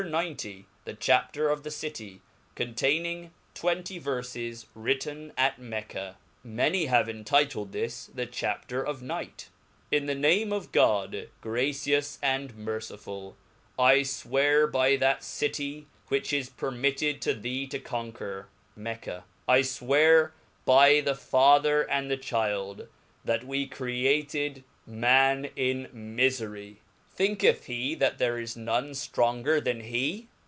XC. The (Chapter of the Citjy containing twenty Verfes^ ^ritti^i At Mecca. Alanj have entituled this, the (^hapter of Night, 7N the name of God, gracious and mercifuL Ifwearbythac ^City which is permitted thee to conquer; I fwear by the ^^"^■•^' father and thechilde, that we created man in mifery ; ^hinketh he that there is none ftronger then he